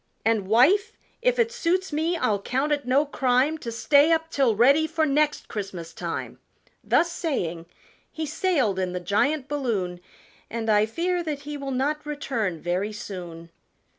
And, wife, if it suits me I'll count it no crime To stay up till ready for next Christmas time!" Thus saying he sailed in the giant balloon, And I fear that he will not return very soon.